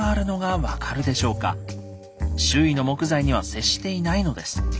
周囲の木材には接していないのです。